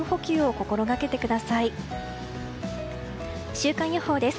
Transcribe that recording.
週間予報です。